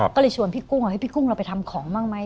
ก็เลยชวนพี่กุ้งพี่กุ้งเราไปทำของบ้างไหม